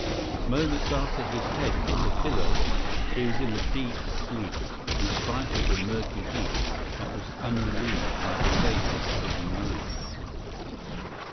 Moments after his head hit the pillow, he was in a deep sleep, in spite of the murky heat that was unrelieved by the lateness of the night.